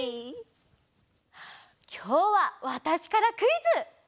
きょうはわたしからクイズ！